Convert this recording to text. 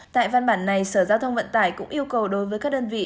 tại văn bản này sở giao thông vận tải cũng yêu cầu đối với các đơn vị